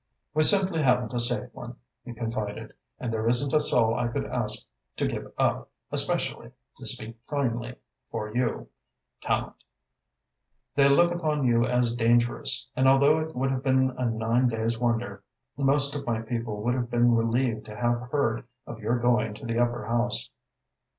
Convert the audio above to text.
"We simply haven't a safe one," he confided, "and there isn't a soul I could ask to give up, especially, to speak plainly, for you, Tallente. They look upon you as dangerous, and although it would have been a nine days' wonder, most of my people would have been relieved to have heard of your going to the Upper House."